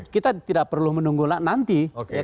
kita tidak perlu menunggu nanti